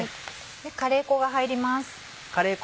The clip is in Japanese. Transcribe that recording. カレー粉が入ります。